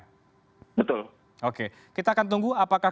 betul oke kita akan tunggu apakah